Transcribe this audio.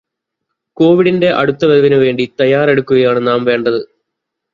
കോവിഡിന്റെ അടുത്ത വരവിനു വേണ്ടി തയ്യാറെടുത്തിരിക്കുകയാണ് നാം വേണ്ടത്.